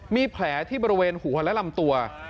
มีแผลที่บริเวณหัวและลำตัว